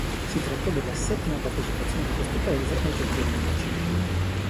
Si trattò della settima partecipazione di questo paese ai Giochi olimpici.